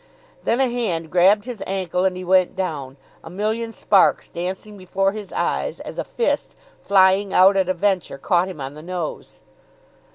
Then a hand grabbed his ankle and he went down, a million sparks dancing before his eyes as a fist, flying out at a venture, caught him on the nose.